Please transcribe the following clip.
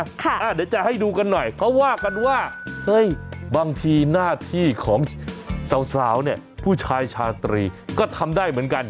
เดี๋ยวจะให้ดูกันหน่อยเขาว่ากันว่าเฮ้ยบางทีหน้าที่ของสาวเนี่ยผู้ชายชาตรีก็ทำได้เหมือนกัน